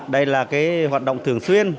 đây là cái hoạt động thường xuyên